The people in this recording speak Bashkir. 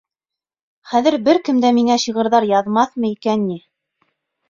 Хәҙер бер кем дә миңә шиғырҙар яҙмаҫмы икән ни?